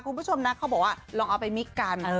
คุณผู้ชมนะเขาบอกว่าลองเอาไปมิกกัน